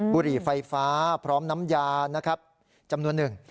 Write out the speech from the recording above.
บุหรี่ไฟฟ้าพร้อมน้ำยานะครับจำนวนหนึ่ง